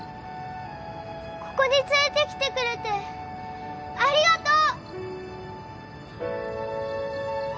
ここに連れてきてくれてありがとう！